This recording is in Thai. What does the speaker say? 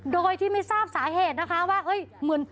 โดยที่ไม่ทราบสาเหตุนะคะว่าเฮ้ยเหมือน